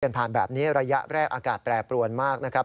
ผ่านแบบนี้ระยะแรกอากาศแปรปรวนมากนะครับ